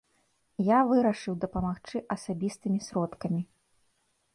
Я вырашыў дапамагчы асабістымі сродкамі.